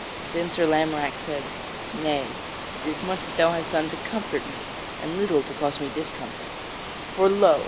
Then Sir Lamorack said: "Nay; it is much that thou hast done to comfort me, and little to cause me discomfort. For lo!